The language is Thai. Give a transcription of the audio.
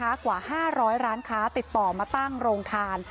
กว่า๕๐๐ร้านค้าติดต่อมาตั้งโรงทาน